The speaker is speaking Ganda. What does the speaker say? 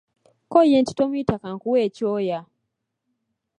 Kko ye nti tomuyita kankuwe ekyoya.